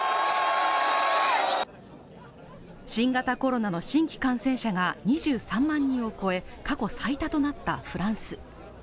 新型コロナの新規感染者が２３万人を超え過去最多となったフランス。